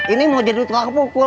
ini mau jadi tukang pukul